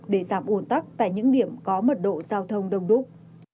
để giảm ồn tắc tại những điểm có mật độ giao thông đông đúc